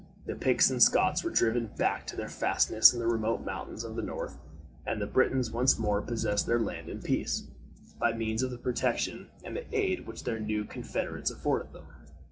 The Picts and Scots were driven back to their fastnesses in the remote mountains of the north, and the Britons once more possessed their land in peace, by means of the protection and the aid which their new confederates afforded them.